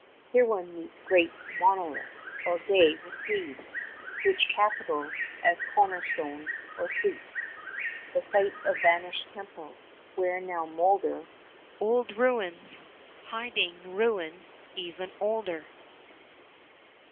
Here one meets Great Memnon's monoliths, or, gay with weed, Rich capitals, as corner stones, or seats, 30 The sites of vanished temples, where now moulder Old ruins, hiding ruin even older.